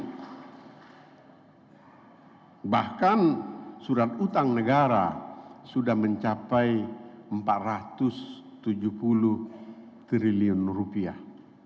dan bahkan surat utang negara sudah mencapai empat ratus tujuh puluh triliun rupiah